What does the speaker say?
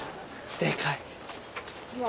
でかい！